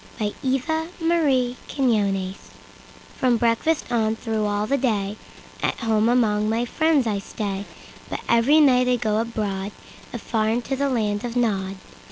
The Land of Nod FROM breakfast on through all the dayAt home among my friends I stay, But every night I go abroadAfar into the land of Nod.